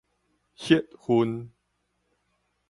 血暈